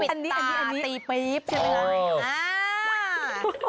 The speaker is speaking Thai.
อันนี้คือปิดตาตีปี๊บใช่ไหมล่ะ